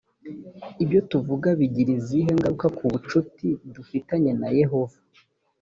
ibyo tuvuga bigira izihe ngaruka ku bucuti dufitanye na yehova